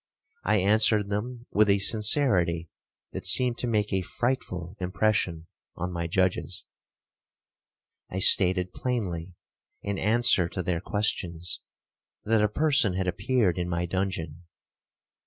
I answered them with a sincerity that seemed to make a frightful impression on my judges. I stated plainly, in answer to their questions, that a person had appeared in my dungeon.